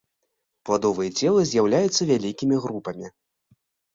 Пладовыя целы з'яўляюцца вялікімі групамі.